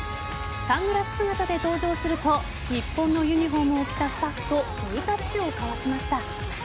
サングラス姿で登場すると日本のユニホームを着たスタッフとグータッチをかわしました。